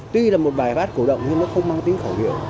tuy là một bài hát cổ động nhưng nó không mang tính khẩu hiệu